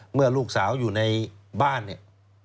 เมื่อลูกสาวอยู่ในบ้านเนี่ย